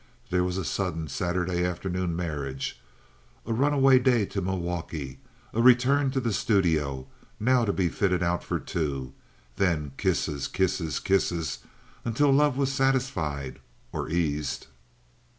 There was a sudden Saturday afternoon marriage, a runaway day to Milwaukee, a return to the studio now to be fitted out for two, and then kisses, kisses, kisses until love was satisfied or eased.